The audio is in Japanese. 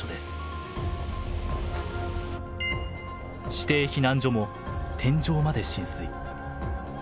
指定避難所も天井まで浸水。